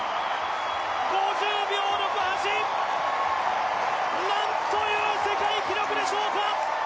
５０秒６８何という世界記録でしょうか